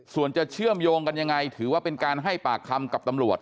ส่วนจะเชื่อมโยงกันยังไงถือว่าเป็นการให้ปากคำกับตำรวจ